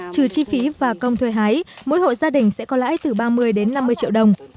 trừ chi phí và công thuê hái mỗi hộ gia đình sẽ có lãi từ ba mươi đến năm mươi triệu đồng